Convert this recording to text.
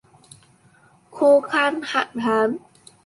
Khô khan hạn hán